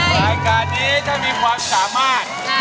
รายการนี้ถ้ามีความสามารถ